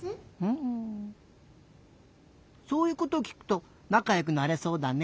そういうこときくとなかよくなれそうだね。